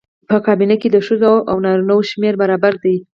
په کابینه کې د ښځو او نارینه وو شمېر برابر دی.